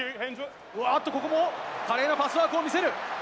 あっと、ここも華麗なパスワークを見せる。